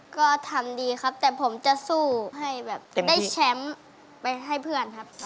ก็ทำดีครับแต่ผมจะสู้ให้แบบได้แชมป์ไปให้เพื่อนครับ